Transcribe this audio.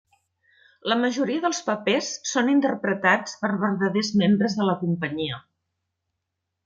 La majoria dels papers són interpretats per verdaders membres de la companyia.